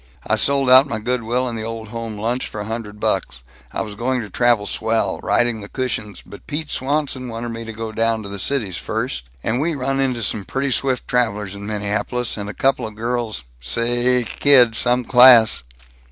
I sold out my good will in the Old Home Lunch for a hundred bucks. I was going to travel swell, riding the cushions. But Pete Swanson wanted me to go down to the Cities first, and we run into some pretty swift travelers in Minneapolis, and a couple of girls saaaaaaay, kid, some class!"